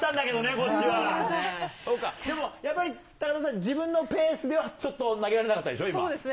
そっか、でもやっぱり、高田さん、自分のペースではちょっと投げらそうですね。